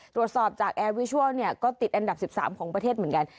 ตรวจสอบจากแอร์วิชัลก็ติดอันดับ๑๓ของประเทศเหมือนกัน